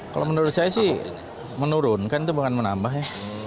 kalau menurut saya sih menurun kan itu bukan menambah ya